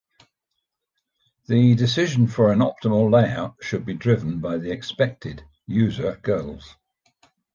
The decision for an optimal layout should be driven by the expected user goals.